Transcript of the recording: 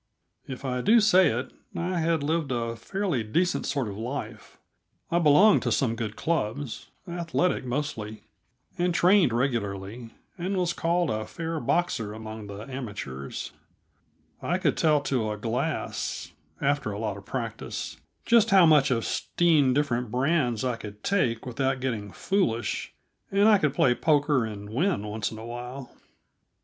If I do say it, I had lived a fairly decent sort of life. I belonged to some good clubs athletic, mostly and trained regularly, and was called a fair boxer among the amateurs. I could tell to a glass after a lot of practise just how much of 'steen different brands I could take without getting foolish, and I could play poker and win once in awhile.